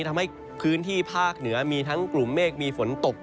ทำให้พื้นที่ภาคเหนือมีทั้งกลุ่มเมฆมีฝนตก